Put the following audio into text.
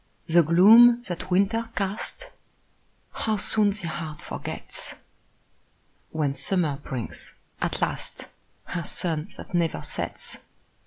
The gloom that winter cast, How soon the heart forgets, When summer brings, at last, Her sun that never sets!